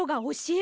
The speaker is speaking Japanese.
え！